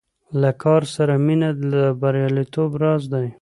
له کار سره مینه د بریالیتوب راز دی.